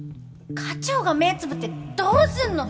家長が目をつぶってどうするの！